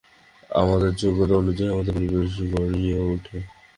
আমাদের যোগ্যতা অনুযায়ী আমাদের পরিবেশ গড়িয়া উঠে।